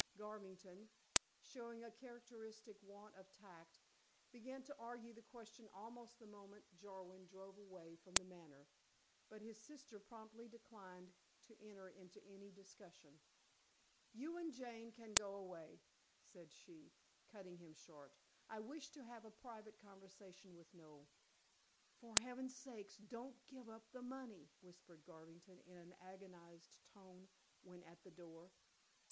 Garvington, showing a characteristic want of tact, began to argue the question almost the moment Jarwin drove away from The Manor, but his sister promptly declined to enter into any discussion. "You and Jane can go away," said she, cutting him short. "I wish to have a private conversation with Noel." "For heaven's sake don't give up the money," whispered Garvington in an agonized tone when at the door.